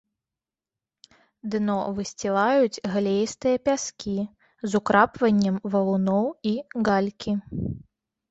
Дно высцілаюць глеістыя пяскі з украпваннем валуноў і галькі.